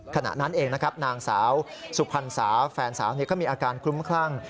ขณะนั้นเองนะครับนางสาวสุพรรณสาแฟนสาวก็มีอาการคลุ้มคลั่ง